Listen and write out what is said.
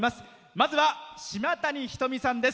まずは島谷ひとみさんです。